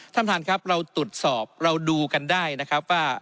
ท่านประธานครับเราตรวจสอบเราดูกันได้นะครับว่า